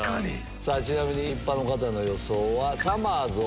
ちなみに一般の方の予想。